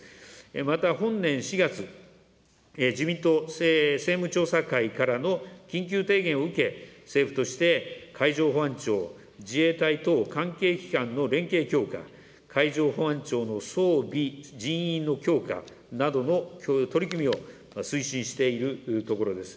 また、本年４月、自民党政務調査会からの緊急提言を受け、政府として海上保安庁、自衛隊等関係機関の連携強化、海上保安庁の装備・人員の強化などの取り組みを推進しているところです。